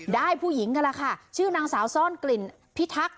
ได้ผู้หญิงกันแล้วค่ะชื่อนางสาวซ่อนกลิ่นพิทักษ์